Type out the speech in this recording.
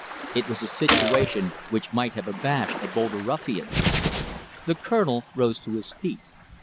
It was a situation which might have abashed a bolder ruffian. The Colonel rose to his feet.